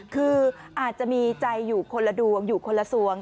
คืออาจจะมีใจอยู่คนละดวงอยู่คนละสวง